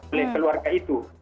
oleh keluarga itu